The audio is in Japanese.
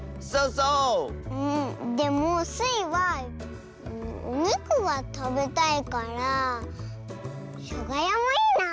でもスイはおにくがたべたいから「しょがや」もいいなあ。